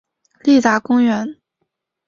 立达公园。